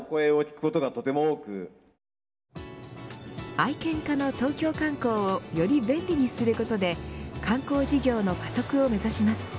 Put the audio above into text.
愛犬家の東京観光をより便利にすることで観光事業の加速を目指します。